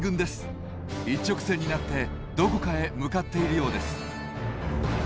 一直線になってどこかへ向かっているようです。